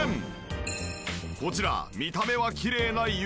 こちら見た目はきれいな床。